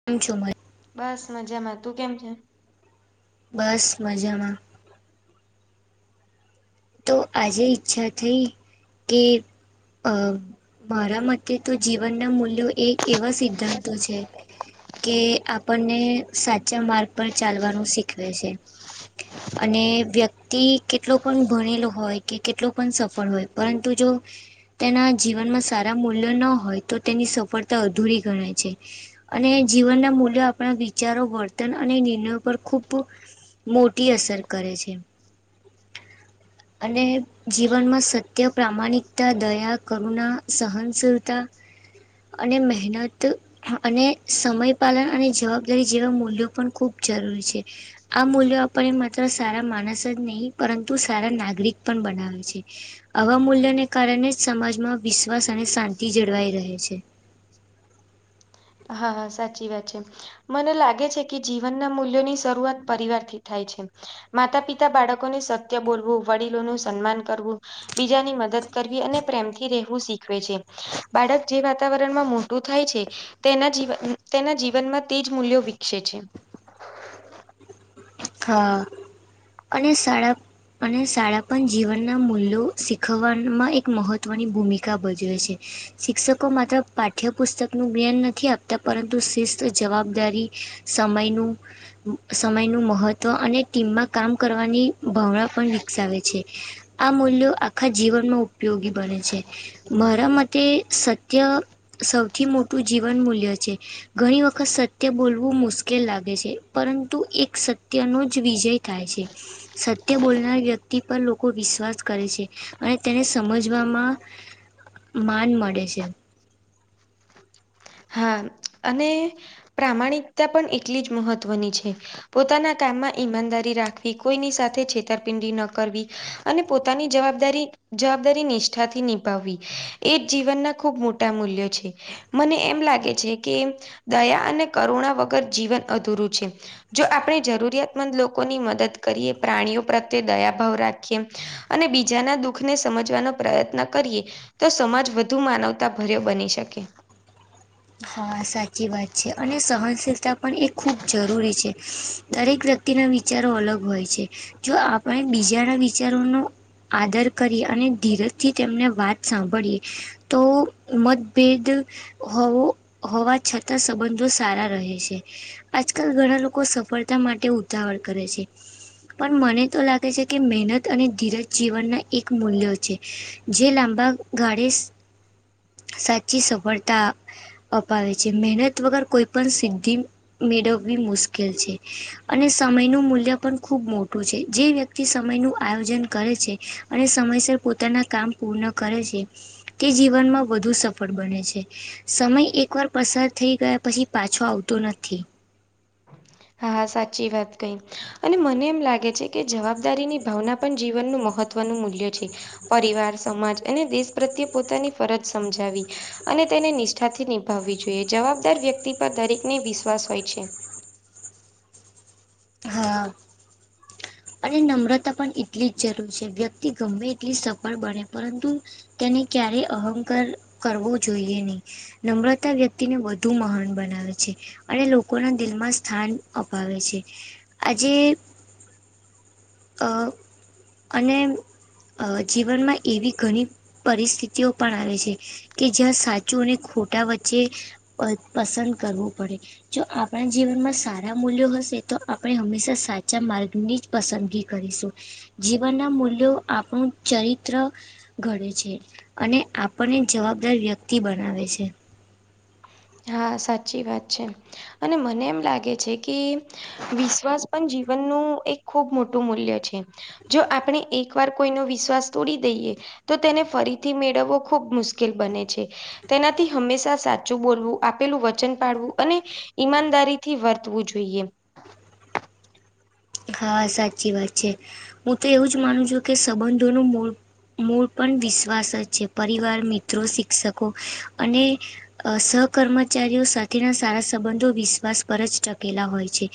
[inaudible] બસ મજામાં તું કેમ છે બસ મજામાં તો આજે ઈચ્છા થઈ કે અ મારા મતે તો જીવનના મૂલ્યો એ એવા સિદ્ધાંતો છે કે આપણને સાચા માર્ગ પર ચાલવાનું શીખવે છે અને વ્યક્તિ કેટલો પણ ભણેલો હોય કે કેટલો પણ સફળ હોય પરંતુ જો તેના જીવનમાં સારા મૂલ્ય ન હોય તો તેની સફળતા અધૂરી ગણાય છે અને જીવનના મૂલ્યો આપણા વિચારો વર્તન અને નિર્ણયો પર ખૂબ મોટી અસર કરે છે અને જીવનમાં સત્ય પ્રામાણિકતા દયા કરુણા સહનશીલતા અને મહેનત અને સમયપલન અને જવાબ દારી જેવા મૂલ્યો પણ ખૂબ જરૂરી છે આ મૂલ્યો આપણણે માત્ર સારા માણસ જ નહીં પરંતુ સારા નાગરિક પણ બનાવે છે આવા મૂલ્યને કારણે જ સમાજમાં વિશ્વાસ અને શાંતિ જળવાઈ રહે છે હા હા સાચી વાત છે મને લાગે છે કે જીવનના મૂલ્યો ની શરૂઆત પરિવારથી થાય છે માતા પિતા બાળકોને સત્ય બોલવું વડીલોનું સન્માન કરવું બીજાની મદદ કરવી અને પ્રેમથી રહેવું શીખવે છે બાળક જે વાતાવરણમાં થાય છે તેના જીવન તેના જીવનમાં તેજ મૂલ્યો વિકસે છે હા અને શાળા અને શાળા પણ જીવન ના મૂલ શીખવમાં એક મહત્વની ભૂમિકા ભજવે છે શિક્ષકો માત્ર પાઠ્યપુસ્તક નું જ્ઞાન નથી આપતા પરંતુ શિસ્ત જવાબદારિ સમયનું સમયનું મહત્ત્વ તો અને ટીમમાં કામ કરવાની ભાવના પણ વિકસાવે છે આ મૂલ્યો આખા જીવનમાં ઉપયોગી બને છે મારા મતે સત્ય સૌથી મોટું જીવન મૂલ્ય છે ઘણી વખત સત્ય બોલવું મુશ્કેલ લાગે છે પરંતુ એક સત સત્યનો જ વિજય થાય છે સત્ય બોલનાર વ્યક્તિ પર લોકો વિશ્વાસ કરે છે અને તેને સમજવામાં માન મળે છે હા અને પ્રામાણિકતા પણ એટલી જ મહત્વની છે પોતાના કામમાં ઈમાનદારી રાખવી કોઈની સાથે છેતરપિંડી ન કરવી અને પોતાની જવાબદારી જવાબદારી નિષ્ઠાથી નિભાવવી એ જ જીવનના ખૂબ મોટા મૂલ્યો છે મને એમ એમ લાગે છે કે દયા અને કરુણા વગર જીવન અધૂરું છે જો આપણે જરૂરિયાતમંદ લોકોની મદદ કરીએ પ્રાણીઓ પ્રત્યે દયાભાવ રાખીએ અને બીજાના દુઃખ ને સમજવાનો પ્રયત્ન કરીએ તો સમાજ વધુ માનવતા ભર્યો બની શકે હા સાચી વાત છે અને સહનશીલતા પણ એ ખૂબ જરૂરી છે દરેક વ્યક્તિના વિચારો અલગ હોય છે જો આપ પણ એ બીજાના વિચારોનો આદર કરી અને ધીરજથી તેમને વાત સાંભળીએ તો મતભેદ હોવો હોવા છતાં સંબંધો સારા રહે છે. આજકાલ ઘણા લોકો સફળતા માટે ઉતાવળ કરે છે. પણ મને તો લાગે છે કે મહેનત અને ધીરજ જીવનના એક મૂલ્યો છે જે લાંબા [inaudible] સાચી સફળતા અપાવે છે મહેનત વગર કોઈ પણ સિદ્ધિ મેળવવી મુશ્કેલ છે અને સમયનું મૂલ્ય પણ ખૂબ મોટું છે. જે વ્યક્તિ [inaudible] સમય નું આયોજન કરે છે અને સમયસર પોતાના કામ પૂર્ણ કરે છે તે જીવનમાં વધુ સફળ બને છે. સમય એક એકવાર પસાર થઈ ગયા પછી પાછો આવતો નથી. [inaudible] હા સાચી વાત કહી અને મને એમ લાગે છે કે જવાબદારીની ભાવના પણ જીવનનું મહત્વ મહવનું મૂલ્ય છે. પરિવાર, સમાજ અને દેશ પ્રત્યે પોતાની ફરજ સમજાવી અને તેને નિષ્ઠાથી નિભાવવી જોઈએ જવાબદાર વ્યક્તિ પર દરેકને વિશ્વાસ હોય છે. હા.. અને નમ્રતા પણ એટલી જ જરૂર છે વ્યક્તિ ગમે એટલી સફળ બને પરંતુ તેને ક્યારેય અહંકાર કરવો જોઈએ નહી. નમ્રતા વ્યક્તિને વધુ મહાન બનાવે છે અને લોકોના દિલમાં સ્થાન અપાવે છે. આજે અ.. અને અ.. જીવનમાં એવી ઘણી પરિસ્થિતિઓ પણ આવે છે કે જ્યાં સાચું અને ખોટા વચ્ચે પસંદ કરવુ પડે. જો આપણા જીવનમાં સારા મૂલ્યો હશે તો આપણે હંમેશા સાચા માર્ગની જ પસંદગી કરીશું. જીવન ના મૂલ્યો આપણું ચરિત્ર ઘડે છે અને આપણને જવાબદાર વ્યક્તિ બનાવે છે. હા સાચી વાત છે અને મને એમ લાગે છે કે વિશ્વાસ પણ જીવનનું એક ખૂબ મોટું મૂલ્ય છે. જો આપણે એક વાર કોઈનો વિશ્વાસ તોડી દઈએ તો તેને ફરીથી મેળવવો ખૂબ મુશ્કેલ બને છે તેનાથી હંમેશા સાચું બોલવું. આપેલું વચન પાડવું અને ઈમાનદારીથી વર્તવું જોઈએ. હા સાચી વાત છે. હું તો એવું જ માનું છું કે સંબંધોનું મૂળ મૂળ પણ વિશ્વાસ જ છે. પરિવાર, મિત્રો, શિક્ષકો અને અ સહકર્મચારીઓ સાથેના સારા સંબંધો વિશ્વાસ પર જ ટકેલા હોય છે.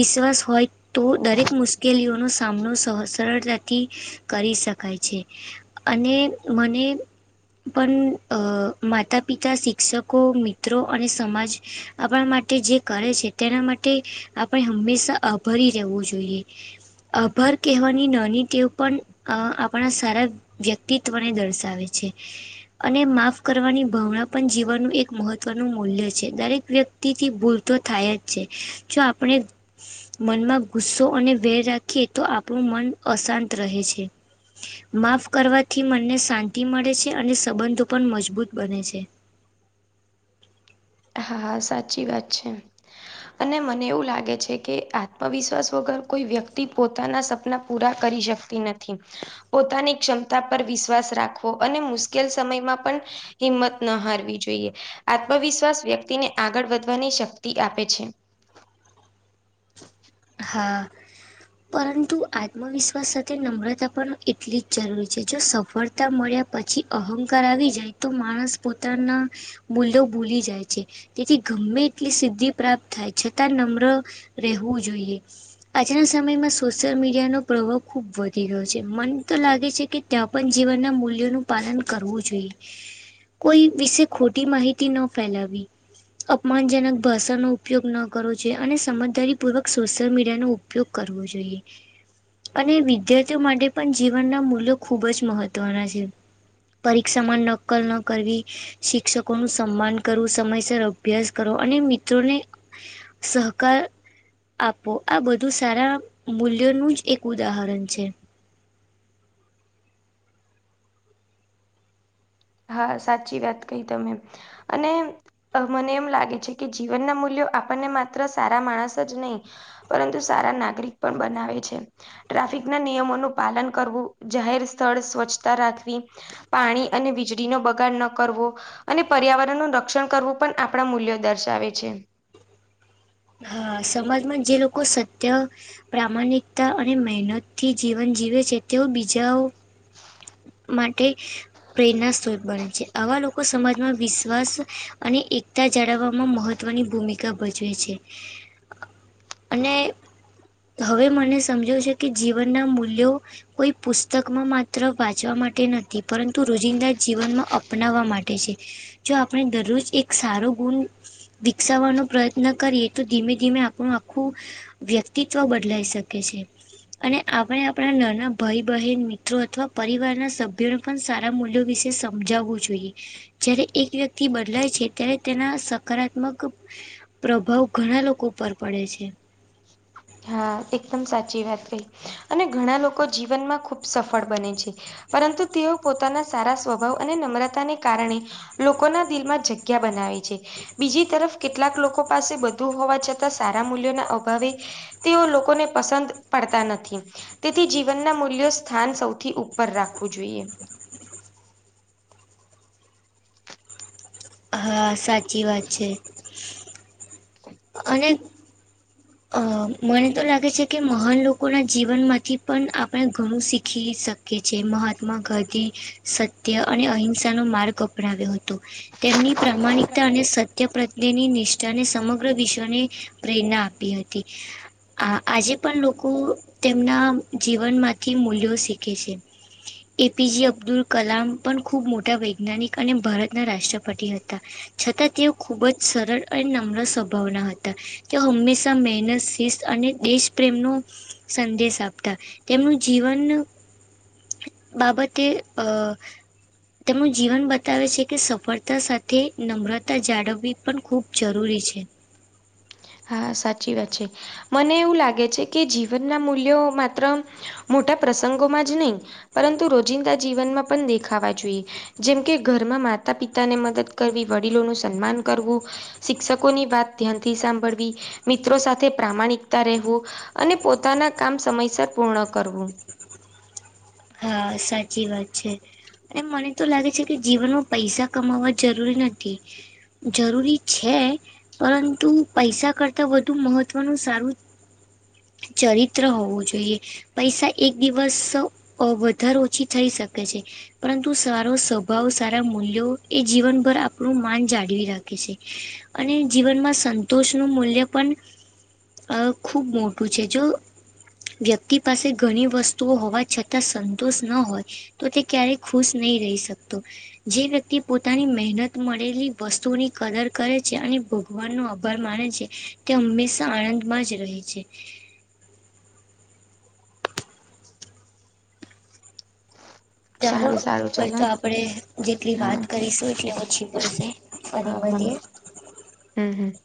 વિશ્વાસ હોય તો દરેક મુશ્કેલીઓનો સામનો સહ સરળતાથી કરી શકાય છે. અને મને પણ અ માતા-પિતા, શિક્ષકો, મિત્રો અને સમાજ આપણા માટે જે કરે છે તેના માટે આપણે હંમેશા આભારી રહેવું જોઈએ. આભાર કહેવાની નાની તેવ પણ અ આપણા સારા વ્યક્તિત્વને દર્શાવે છે. અને માફ કરવાની ભાવના પણ જીવવાનું એક મહત્વનું મૂલ્ય છે. દરેક વ્યક્તિ વ્યક્તિથી ભૂલ તો થાય જ છે. જો આપણે મનમાં ગુસ્સો અને વેર રાખીએ તો આપણું મન અશાંત રહે છે. માફ કરવાથી મનને શાંતિ મળે છે અને સંબંધો પણ મજબૂત બને છે. હા, સાચી વાત છે. અને મને એવું લાગે છે કે આત્મવિશ્વાસ વગર કોઈ વ્યક્તિ પોતાના સપના પૂરા કરી શકતી નથી. પોતાની ક્ષમતા પર વિશ્વાસ રાખવો અને મુશ્કેલ સમયમાં પણ. હિંમત ન હારવી જોઈએ. આત્મવિશ્વાસ. વ્યક્તિને આગળ વધવાની શક્તિ આપે છે. હા. પરંતુ આત્મવિશ્વાસ સાથે નમ્રતા પણ એટલી જ જરૂરી છે જો સફળ તા મળ્યા પછી અહંકાર આવી જાય તો માણસ પોતાના. મૂલ્યો ભૂલી જાય છે તેથી ગમે એટલી સિદ્ધિ પ્રાપ્ત થાય છતાં નમ્ર. રહેવું જોઈએ. આજના સમયમાં સોશિયલ મીડિયાનો પ્રભાવ ખૂબ વધી ગયો છે મન તો લાગે છે કે. ત્યાં પણ જીવનના મૂલ્યોનું પાલન કરવું જોઈએ. કોઈ વિશે ખોટી માહિતી ન ફેલાવી. અપમાનજનક ભાષાનો ઉપયોગ ન કરવો જોઈએ અને સમજદારીપૂર્વક સોશિ યલ મીડિયાનો ઉપયોગ કરવો જોઈએ. અને વિદ્યાર્થીઓ માટે પણ જીવનના મૂલ્યો ખૂબ જ મહત્વના છે. પરીક્ષામાં નકલ ન કરવી. શિક્ષકો નું સન્માન કરવું, સમયસર અભ્યાસ કરો અને મિત્રોને સહકાર. આપવો આ બધું સારા મૂલ્યોનું જ એક ઉદાહરણ છે. હા સાચી વાત કહી તમે અને મને એમ લાગે છે કે જીવનના મૂલ્યો આપણને માત્ર સારા માણસ જ નહીં. પરંતુ સારા નાગરિક પણ બનાવે છે. ટ્રાફિકના નિયમોનું પાલન કરવું જાહેર સ્થળ સ્વચ્છતા રાખવી. પાણી અને વીજ ડીનો બગાડ ન કરવો અને પર્યાવરણનું રક્ષણ કરવું પણ આપણા મૂલ્યો દર્શાવે છે. હા સમાજમાં જે લોકો સત્ય, પ્રામાણિકતા અને મહેનતથી જીવન જીવે છે તેઓ બીજાઓ. [inaudible] માટે પ્રેરણા સ્ત્રોત બને છે આવા લોકો સમાજમાં વિશ્વાસ અને એકતા જાળવવામાં મહ ત્ત્વની ભૂમિકા ભજવે છે. અને હવે મને સમજો છે કે જીવનના મૂલ્યો કોઈ પુસ્તકમાં માત્ર વાંચવા માટે નથી પરંતુ રોજિંદા જીવનમાં અપનાવવા માટે છે. જો આપણે દરરોજ એક સારો ગુણ વિકસાવવાનો પ્રયત્ન કરીએ. તો ધીમે ધીમે આપણું આખું વ્યક્તિત્વ બદલાઈ શકે છે. અને આપણે આપણા નાના ભાઈ બહેન મિત્રો અથવા પરિવારના સભ્યોને પણ સારા મૂલ્યો વિશે સમજાવવું જોઈએ. જ્યારે એક વ્યક્તિ બદલાય છે ત્યારે તેના સકારાત્મક પ્રભાવ ઘણા લોકો ઉપર પડે છે. હા એકદમ સાચી વાત કહી અને ઘણા લોકો જીવનમાં ખુબ સફળ બને છે. પરંતુ તેઓ પોતાના સારા સ્વભાવ અને નમ્રતાને કારણે લોકોના દિલમાં જગ્યા બનાવે છે. બીજી તરફ કેટલાક લોકો પાસે બધું હોવા છતાં સારા મૂલ્યોના અભાવે તેઓ લોકોને પસંદ પડતા નથી. તેથી જીવનના મૂલ્યો સ્થાન સૌથી ઉપર રાખવું જોઈએ. હા સાચી વાત છે. [inaudible] એન અ મને તો લાગે છે કે મહાન લોકોના જીવનમાંથી પણ આપણે ઘણું શીખી શ કીએ છે મહાત્મા ગાંધી સત્ય અને અહિંસાનો માર્ગ અપનાવ્યો હતો. તેમની પ્રામાણિકતા અને સત્ય પ્રત્યેની નિ જાને સમગ્ર વિશ્વને પ્રેરણા આપી હતી. આ આજે પણ લોકો તેમના જીવનમાંથી મૂલ્યો શીખે છે. એ પી જે અબ્દુલ કલામ પણ ખૂબ મોટા વૈજ્ઞાનિક અને ભારતના રાષ્ટ્રપતિ હતા. છતાં તેઓ ખુબ જ સરળ અને નમ્ર સ્વભાવના હતા, તેઓ હંમેશ ા મેનસ, શિષ્ટ અને દેશ પ્રેમનું સંદેશ આપતા, તેમનું જીવન બાબતે અ તેમનું જીવન બતાવે છે, કે સાથે સફળતા સાથે નમ્રતા જાળવવી પણ ખૂબ જરૂરી છે. હા સાચી છે, મને એવું લાગે છે કે જીવનના મૂલ્યો માત્ર મોટા પ્રસંગોમાં જ નય, પરંતુ રોજિંદા જીવનમાં પણ દેખાવા જોઈએ. જેમ કે ઘરમાં માતા, પિતાને મદદ કરવી વડીલોનું સન્માન કરવું. શિક્ષકોની વાત ધ્યાનથી સાંભળવી, મિત્રો સાથે પ્રામાણિકતા રેહવુ, અને પોતાના કામ સમયસર પૂર્ણ કરવું. હા, સાચી વાત છે. એમ મને તો લાગે છે કે જીવનમાં પૈસા કમાવા જરૂરી નથી‌ જરૂરી છે. પરંતુ પૈસા કરતા વધુ મહત્વનું સારું ચરિત્ર હોવું જોઈએ, પૈસા એક દિવસ અ વધાર ઓછી થઈ શકે છે. પરંતુ સારો સ્વભાવ, સારા મૂલ્યો એ જીવનભર આપળુ માન જાળવી રાખે છે. અને જીવનમાં સંતોષનું મૂલ્ય પણ આ ખૂબ મોટું છે, જો વ્યક્તિ પાસે ઘણી વસ્તુ હોવા [inaudible] તાં સંતુષ ન હોય તો તે ક્યારેય ખુશ નય રેય શકતું જે વ્યક્તિ પોતાની મેહનત મળેલી વસ્તુની કદર કરે [inaudible] ભગવાન નું અભાર માને છે, તે હંમેશા [unintelligible] જ રહે છે [inaudible] [unintelligible] સારું સારું તોપીક ચલ પર તો હા આપળે જેટલી હા વાત કરીશું એટલી ઓછી પળશે ફરી મલીએ. [unintelligible] હમ્મ, હમ. [inaudible]